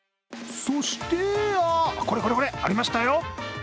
そしてあ、これこれこれ、ありましたよ。